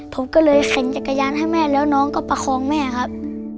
ผมก็เลยเข็นจักรยานให้แม่แล้วน้องก็ประคองแม่ครับ